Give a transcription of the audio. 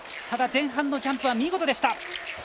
ただ前半のジャンプは見事でした。